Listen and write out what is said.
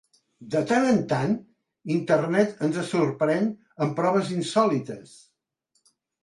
De tant en tant, internet ens sorprèn amb proves insòlites.